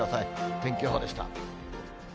天気予報でした。